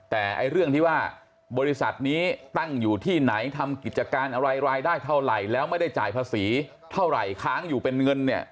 แต่เรื่องที่ว่าบริษัทนี้ตั้งอยู่ที่ไหนทำกิจการอะไรรายได้เท่าไหร่แล้วไม่ได้จ่ายภาษีเท่าไหร่ค้างอยู่เป็นเงินเนี่ย